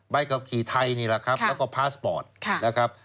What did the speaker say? ขับขี่ไทยนี่แหละครับแล้วก็พาสปอร์ตนะครับ